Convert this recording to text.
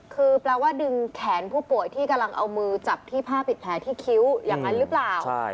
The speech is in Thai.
คือแปลว่าดึงแขนผู้ป่วยที่กำลังเอามือจับที่ผ้าปิดแผลที่คิ้วอย่างนั้นหรือเปล่า